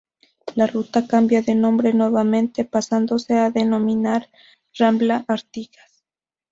La ruta cambia de nombre nuevamente, pasándose a denominar Rambla Artigas.